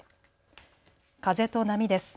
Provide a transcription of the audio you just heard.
風と波です。